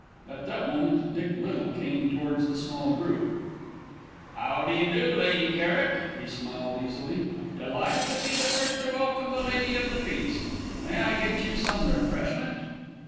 At that moment Dick Little came towards the small group. "How d'you do, Lady Kerrick?" he smiled easily. "Delighted to be the first to welcome the Lady of the Feast. May I get you some refreshment?"